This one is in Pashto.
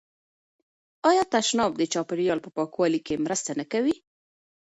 آیا تشناب د چاپیریال په پاکوالي کې مرسته نه کوي؟